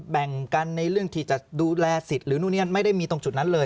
แบ่งกันในเรื่องที่จะดูแลสิทธิ์หรือนู่นนี่ไม่ได้มีตรงจุดนั้นเลย